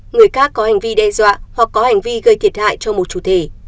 người khác có hành vi đe dọa hoặc có hành vi gây thiệt hại cho một chủ thể